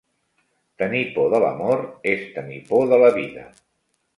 Tenir por de l’amor és tenir por de la vida.